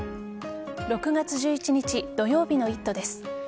６月１１日土曜日の「イット！」です。